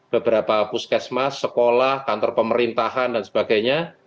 beberapa puskesmas sekolah kantor pemerintahan dan sebagainya